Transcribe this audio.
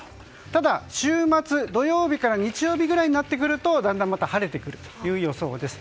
ただ週末、土曜日から日曜日ぐらいになってくるとだんだんまた晴れてくるという予想です。